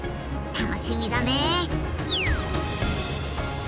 楽しみだね。